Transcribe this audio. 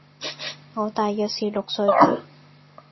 我大約是六歲吧